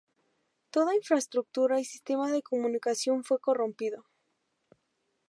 Toda infraestructura y sistema de comunicación fue corrompido.